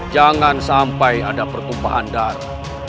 jangan sampai ada pertumpahan darah